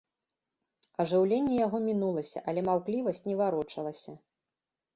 Ажыўленне яго мінулася, але маўклівасць не варочалася.